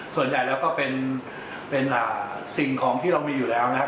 ส่วนใหญ่แล้วก็เป็นสิ่งของที่เรามีอยู่แล้วนะครับ